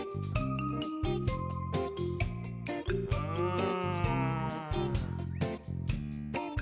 うん。